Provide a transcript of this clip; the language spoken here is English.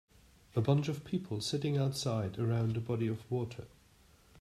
A bunch of people sitting outside around a body of water.